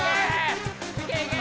いけいけ！